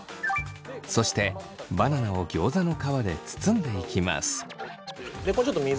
そしてバナナをギョーザの皮で包んでいきます。